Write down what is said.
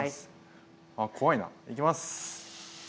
あ怖いないきます！